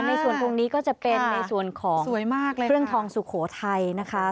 ในส่วนองค์นี้ก็จะเป็นในส่วนของเครื่องทองสุโขทัยนะคะ